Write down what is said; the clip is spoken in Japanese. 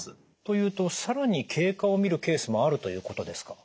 というと更に経過を見るケースもあるということですか？